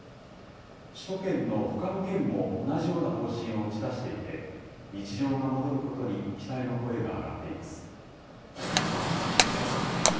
首都圏のほかの県も同じような方針を打ち出していて、日常が戻ることに期待の声が上がっています。